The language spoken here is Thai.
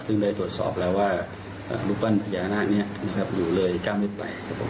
ซึ่งได้ตรวจสอบแล้วว่ารูปปั้นพญานาคนี้อยู่เลย๙เมตรไป